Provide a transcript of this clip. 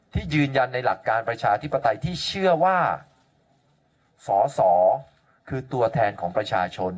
ที่ยืนยันในหลักการประชาธิปไตยที่เชื่อว่าสอสอคือตัวแทนของประชาชน